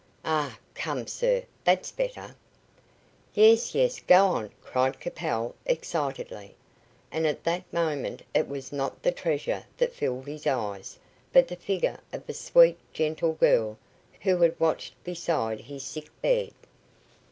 "Ah! come, sir, that's better." "Yes, yes, go on," cried Capel excitedly, and at that moment it was not the treasure that filled his eyes, but the figure of a sweet, gentle girl, who had watched beside his sick bed.